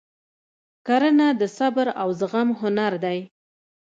کرنه د صبر او زغم هنر دی.